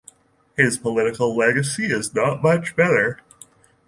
His political legacy is not much better.